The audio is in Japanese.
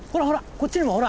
こっちにもほら。